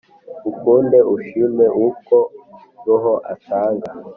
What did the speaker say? ukunde ushime uko roho atanga